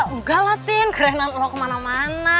enggak lah tim kerenan lo kemana mana